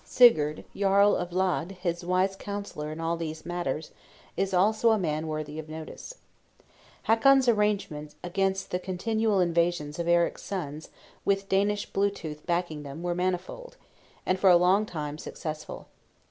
Sigurd, Jarl of Lade, his wise counsellor in all these matters, is also a man worthy of notice. Hakon's arrangements against the continual invasions of Eric's sons, with Danish Blue tooth backing them, were manifold, and for a long time successful.